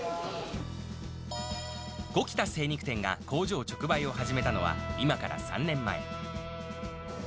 五木田精肉店が工場直売を始めたのは、今から３年前。